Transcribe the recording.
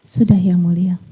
sudah ya mulia